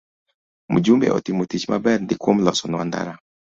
Mjumbe otimo tich maber ndii kuom loso nwa ndara